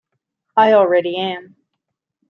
I already am.